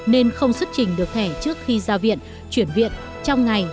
nên không xuất trình được thẻ trước khi ra viện chuyển viện trong ngày